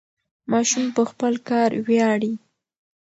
ماشوم په خپل کار ویاړي.